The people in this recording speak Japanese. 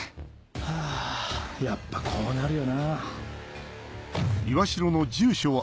ハァやっぱこうなるよなぁ。